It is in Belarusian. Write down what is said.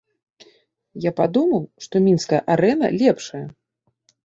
Я падумаў, што мінская арэна лепшая.